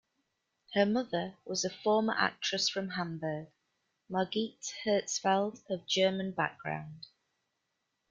Her mother was a former actress from Hamburg, Margit Herzfeld, of German background.